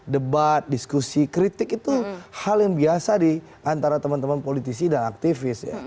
debat diskusi kritik itu hal yang biasa diantara teman teman politisi dan aktivis